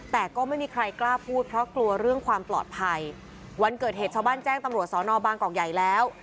แต่ก็ไม่มีใครกล้าพูดเพราะกลัวเรื่องความปลอดภัยวันเกิดเหตุชาวบ้านแจ้งตำรวจสอนอบางกอกใหญ่แล้ว